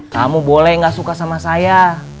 kamu boleh nggak suka sama saya